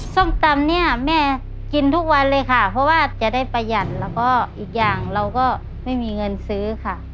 ส้มตำเนี่ยแม่กินทุกวันเลยค่ะเพราะว่าจะได้ประหยัดแล้วก็อีกอย่างเราก็ไม่มีเงินซื้อค่ะ